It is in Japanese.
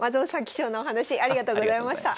貴重なお話ありがとうございました。